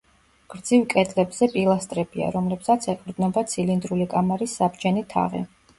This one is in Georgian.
გრძივ კედლებზე პილასტრებია, რომლებსაც ეყრდნობა ცილინდრული კამარის საბჯენი თაღი.